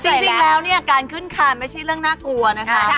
จริงแล้วเนี่ยการขึ้นคานไม่ใช่เรื่องน่ากลัวนะคะ